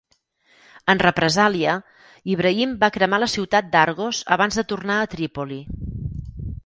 En represàlia, Ibrahim va cremar la ciutat d'Argos abans de tornar a Trípoli.